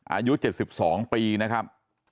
อายุเจ็ดสิบสองปีนะครับ